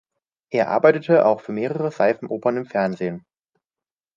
Er arbeitete auch für mehrere Seifenopern im Fernsehen.